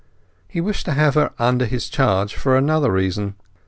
He wished to have her under his charge for another reason.